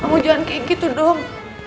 kamu jangan kayak gitu dong